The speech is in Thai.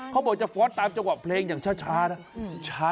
เขาบอกจะฟ้อนตามจังหวะเพลงอย่างช้านะ